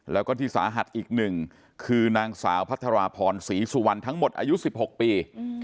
แล้วก็ที่สาหัสอีกหนึ่งคือนางสาวพัทรพรศรีสุวรรณทั้งหมดอายุ๑๖ปี